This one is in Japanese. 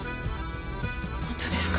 本当ですか？